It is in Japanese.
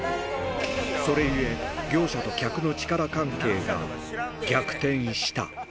それゆえ、業者と客の力関係が逆転した。